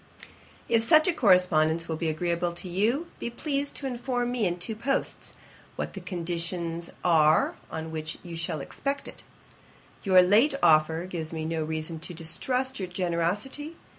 'If such a correspondence will be agreeable to you, be pleased to inform me in two posts, what the conditions are on which you shall expect it. Your late offer gives me no reason to distrust your generosity.